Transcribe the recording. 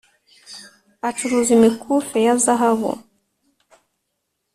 acuruza imikufe ya zahabu